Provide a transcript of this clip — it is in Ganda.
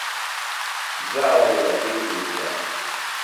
Zama bwe yategeeza.